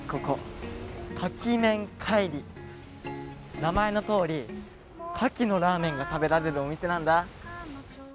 名前のとおり、かきのラーメンが食べられるお店なんだ。